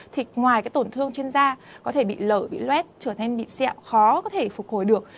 thì ngoài cái tổn thương trên da có thể bị lở bị luét trở nên bị xẹo khó có thể phục hồi được